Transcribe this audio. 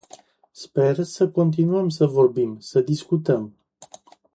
Sper să continuăm să vorbim, să discutăm.